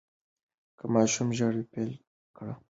که ماشوم ژړا پیل کړه، غوصه مه کوئ.